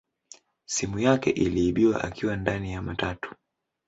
Simu yake iliibiwa akiwa ndani ya matatu